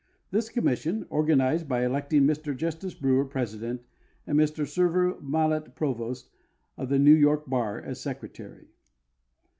This commission organized by elect ing Mr Justice Brewer president and Mr Severo Mallet Prevost, of the New York bar, as secretary.